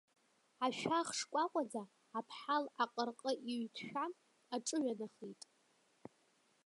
Ашәах шкәакәаӡа, аԥҳал аҟырҟы иҩҭшәан аҿыҩанахеит.